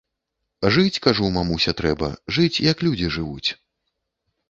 Жыць, кажу, мамуся, трэба, жыць, як людзі жывуць.